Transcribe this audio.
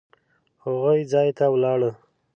هغوی ځای ته ولاړو.